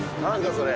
それ。